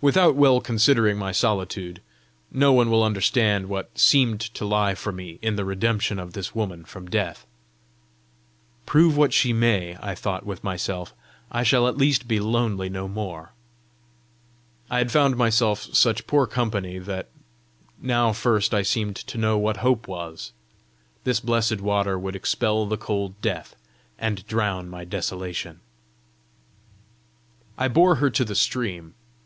Without well considering my solitude, no one will understand what seemed to lie for me in the redemption of this woman from death. "Prove what she may," I thought with myself, "I shall at least be lonely no more!" I had found myself such poor company that now first I seemed to know what hope was. This blessed water would expel the cold death, and drown my desolation! I bore her to the stream.